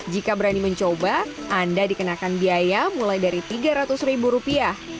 jika berani mencoba anda dikenakan biaya mulai dari tiga ratus ribu rupiah